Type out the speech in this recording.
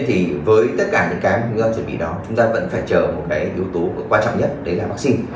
thì với tất cả những cái người chuẩn bị đó chúng ta vẫn phải chờ một cái yếu tố quan trọng nhất đấy là vaccine